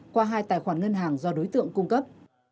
qua hai tài khoản ngân hàng do đối tượng cung cấp